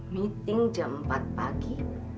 meeting jam empat pagi